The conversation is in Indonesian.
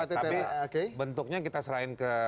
tapi bentuknya kita selain ke